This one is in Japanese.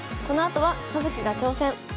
このあとは「葉月が挑戦！」。